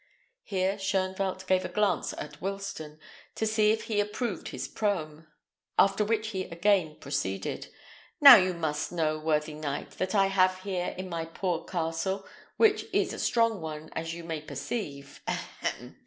Here Shoenvelt gave a glance at Wilsten, to see if he approved his proem; after which he again proceeded: "Now you must know, worthy knight, that I have here in my poor castle, which is a strong one, as you may perceive ahem!